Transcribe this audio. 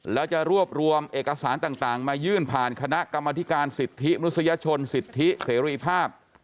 แล้วจะรวบรวมเอกสารต่างมายื่นผ่านคณะกรรมธิการสิทธิมนุษยชนสิทธิเสรีภาพ